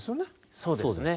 そうですね。